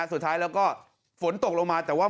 สุดท้ายแล้วก็ฝนตกลงมาแต่ว่า